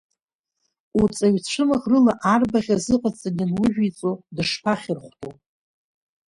Уҵаҩ цәымӷрыла абаӷь азыҟаҵан ианужәиҵо, дышԥахьырхәтәу?